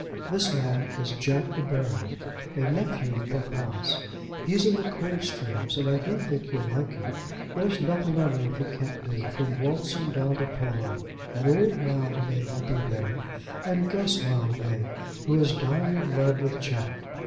This man is Jack De Baron, a nephew of papa's. He's in the Coldstreams, and I do think you'll like him. There's nothing on earth he can't do, from waltzing down to polo. And old Mildmay will be there, and Guss Mildmay, who is dying in love with Jack."